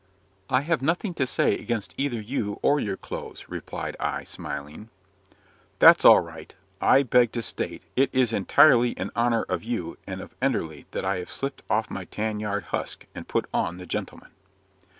"I have nothing to say against either you or your clothes," replied I, smiling. "That's all right; I beg to state, it is entirely in honour of you and of Enderley that I have slipped off my tan yard husk, and put on the gentleman."